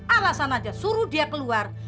alasan aja suruh dia keluar